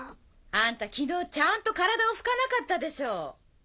あんた昨日ちゃんと体をふかなかったでしょう。